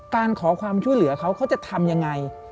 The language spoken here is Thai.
การขอความช่วยเหลือเขาเขาจะทำยังไง